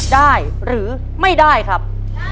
ได้หรือไม่ได้ครับ